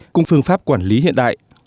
cùng phương pháp quản lý hiện đại